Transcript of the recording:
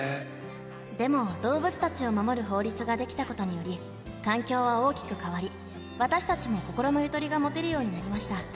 でも、動物たちを守る法律が出来たことにより、環境は大きく変わり、私たちも心のゆとりが持てるようになりました。